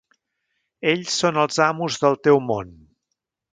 Ells són els amos del teu món.